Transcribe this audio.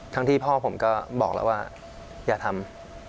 ที่พ่อผมก็บอกแล้วว่าอย่าทำ